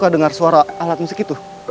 dengar suara alat musik itu